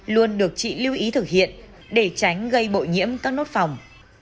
luôn được chị lưu ý thực hiện để tránh gây bội nhiễm các nốt phòng